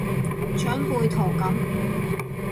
長輩圖噉